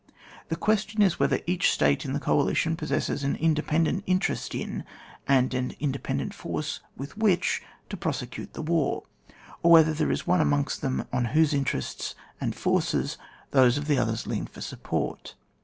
The question is whether each State in the coalition possesses an independent interest in, and an independent force with which to prosecute, the war; or wheAer there is one amongst them on whose interests and forces those of the others lean for support.